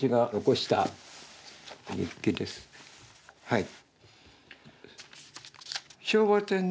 はい。